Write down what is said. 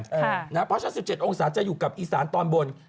เพราะฉะนั้น๑๗องศาจะอยู่กับอีสานตอนบน